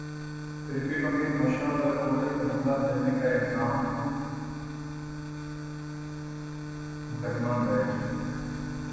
cricketer Amit Mishra پر عورت پر حملہ کرنے کا الزام مقدمہ درج